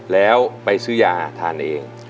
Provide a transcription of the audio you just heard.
แล้วไปซื้อยาทานเอง